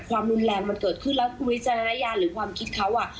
ความรุนแรงมันเกิดขึ้นแล้ววิจารณญาณหรือความคิดเขาอ่ะ